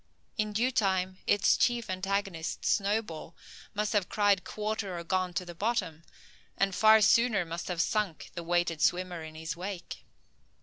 In due time, its chief antagonist, Snowball, must have cried quarter or gone to the bottom; and far sooner must have sunk the weighted swimmer in his wake.